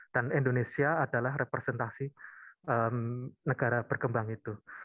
dan indonesia adalah representasi negara berkembang itu